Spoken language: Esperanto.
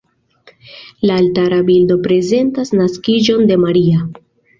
La altara bildo prezentas naskiĝon de Maria.